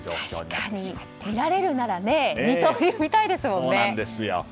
確かに見られるなら二刀流、見たいですよね。